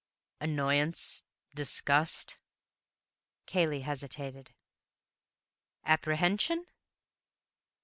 "Annoyance, disgust—" Cayley hesitated. "Apprehension?"